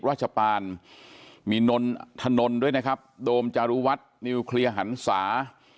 ราชปานมีนนถนนด้วยนะครับโดมจารุวัฒน์นิวเคลียร์หันศา